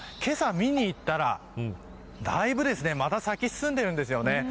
見に行ったらだいぶまた咲き進んでいるんです。